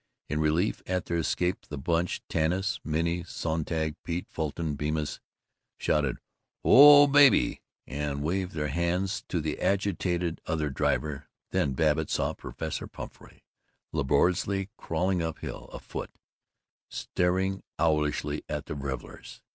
In relief at their escape the Bunch Tanis, Minnie Sonntag, Pete, Fulton Bemis shouted "Oh, baby," and waved their hands to the agitated other driver. Then Babbitt saw Professor Pumphrey laboriously crawling up hill, afoot, staring owlishly at the revelers.